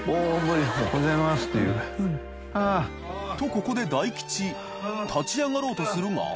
ここで大吉立ち上がろうとするが◆